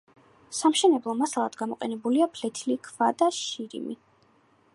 სამშენებლო მასალად გამოყენებულია ფლეთილი ქვა და შირიმი.